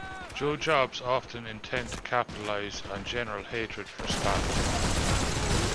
Joe jobs often intend to capitalize on general hatred for spam.